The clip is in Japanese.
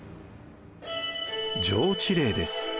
上知令です。